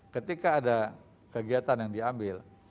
ketika ada kegiatan yang diambil